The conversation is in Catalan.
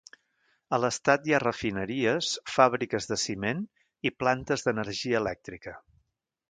A l'estat hi ha refineries, fàbriques de ciment i plantes d'energia elèctrica.